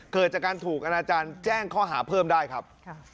เกิดจากการถูกอนาจารย์แจ้งข้อหาเพิ่มได้ครับ